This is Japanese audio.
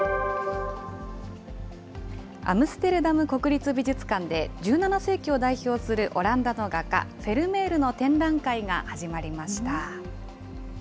アムステルダム国立美術館で、１７世紀を代表するオランダの画家、フェルメールの展覧会が始まりました。